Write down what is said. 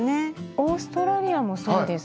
オーストラリアもそうですね